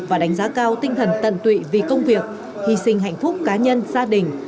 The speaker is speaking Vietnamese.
và đánh giá cao tinh thần tận tụy vì công việc hy sinh hạnh phúc cá nhân gia đình